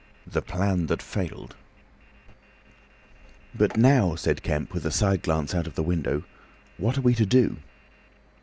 THE PLAN THAT FAILED "But now," said Kemp, with a side glance out of the window, "what are we to do?"